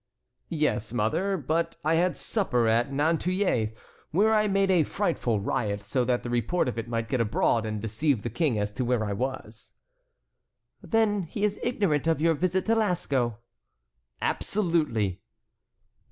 "Yes, mother; but I had supper at Nantouillet's, where I made a frightful riot, so that the report of it might get abroad and deceive the King as to where I was." "Then he is ignorant of your visit to Lasco?" "Absolutely."